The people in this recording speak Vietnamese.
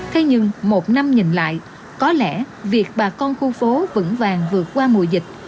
thế nhưng một năm nhìn lại có lẽ việc bà con khu phố vững vàng vượt qua mùa dịch